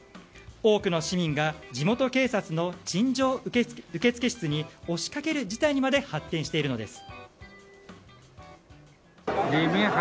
多くの市民が地元警察の陳情受付室に押しかける事態にまで発展しているのです。